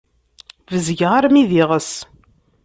Bezgeɣ armi d iɣes.